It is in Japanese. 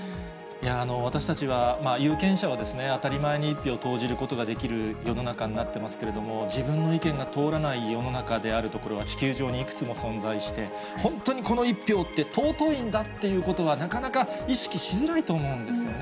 私たちは、有権者は当たり前に１票を投じることができる世の中になってますけれども、自分の意見が通らない世の中である所は、地球上にいくつも存在して、本当にこの１票って、尊いんだということは、なかなか意識しづらいと思うんですよね。